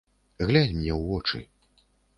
Глянь мне ў вочы.